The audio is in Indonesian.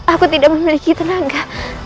aku tidak memiliki tenaga